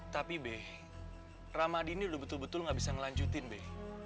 tapi be ramadi ini udah betul betul gak bisa ngelanjutin beh